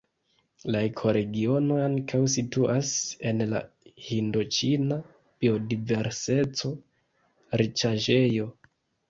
La ekoregiono ankaŭ situas en la Hindoĉina biodiverseco-riĉaĵejo.